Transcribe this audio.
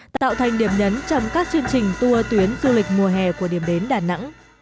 tạo thành điểm nhấn trong các chương trình tour tuyến du lịch mùa hè của điểm đến đà nẵng